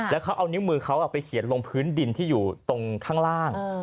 แล้วเขาเอานิ้วมือเขาไปเขียนลงพื้นดินที่อยู่ตรงข้างล่าง